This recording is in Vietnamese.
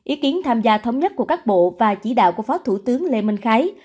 ý kiến tham gia thống nhất của các bộ và chỉ đạo của phó thủ tướng lê minh khái